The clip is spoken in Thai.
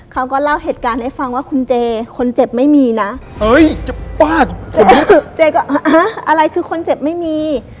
เขาก็เล่าเหตุการณ์ให้ฟังว่าคุณเจคนเจ็บไม่มีนะเจก็อะไรคือคนเจ็บไม่มี